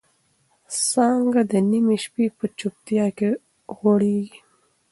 څانګه د نيمې شپې په چوپتیا کې غوړېږي.